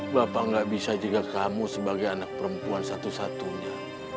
bapak gak bisa juga kamu sebagai anak perempuan satu satunya